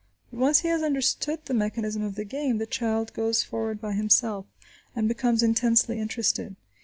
But once he has understood the mechanism of the game, the child goes forward by himself, and becomes intensely interested.